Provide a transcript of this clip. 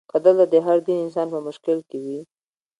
که دلته د هر دین انسان په مشکل کې وي.